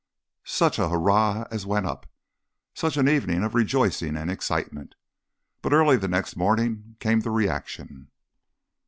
Such a hurrah as went up! Such an evening of rejoicing and excitement! But early the next morning came the reaction.